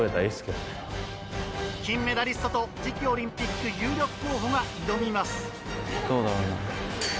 金メダリストと次期オリンピック有力候補が挑みます。